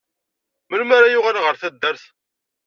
Melmi ara yuɣal ɣer taddart?